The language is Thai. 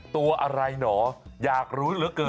ตัวอะไรหนออยากรู้เหลือเกิน